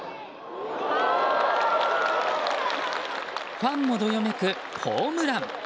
ファンも、どよめくホームラン。